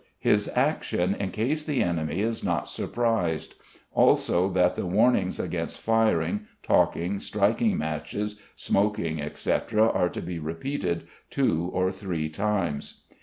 His action in case the enemy is not surprised; also that the warnings against firing, talking, striking matches, smoking, etc., are to be repeated two or three times.